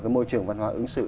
cái môi trường văn hóa ứng xử